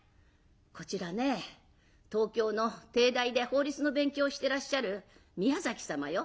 「こちらね東京の帝大で法律の勉強をしてらっしゃる宮崎様よ。